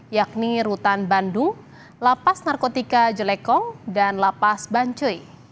yakni rutan bandung lapas narkotika jelekong dan lapas bancoi